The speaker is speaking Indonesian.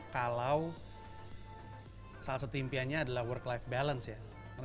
kalau salah satu impiannya adalah work life balance ya